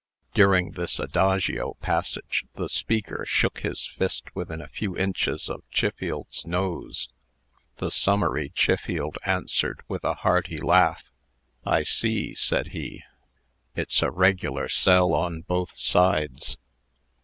During this adagio passage, the speaker shook his fist within a few inches of Chiffield's nose. The summery Chiffield answered, with a hearty laugh: "I see," said he; "it's a regular sell on both sides.